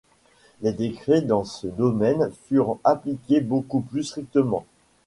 Les décrets dans ce domaine furent appliqués beaucoup plus strictement.